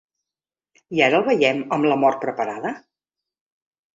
I ara el veiem amb la mort preparada?